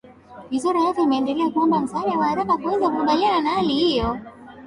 wizara ya afya imeendelea kuomba msaada wa haraka kuweza kukabiliana na hali hiyo